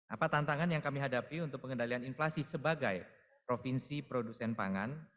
apa tantangan yang kami hadapi untuk pengendalian inflasi sebagai provinsi produsen pangan